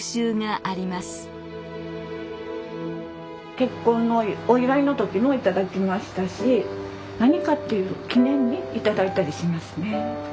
結婚のお祝いの時も頂きましたし何かっていう記念に頂いたりしますね。